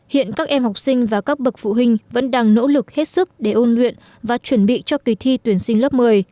hiện các em học sinh và các bậc phụ huynh vẫn đang nỗ lực hết sức để ôn luyện và chuẩn bị cho kỳ thi tuyển sinh lớp một mươi